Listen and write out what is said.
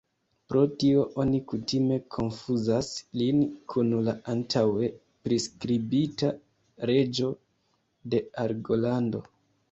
Pro tio, oni kutime konfuzas lin kun la antaŭe priskribita reĝo de Argolando.